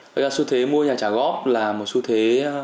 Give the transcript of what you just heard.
vậy là xu thế mua nhà trả góp là một xu thế